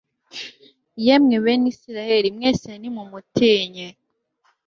yemwe, bene israheli mwese, nimumutinye